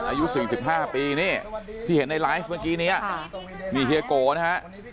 อายุ๔๕ปีนี่ที่เห็นในไลฟ์เมื่อกี้นี้นี่เฮียโกนะฮะ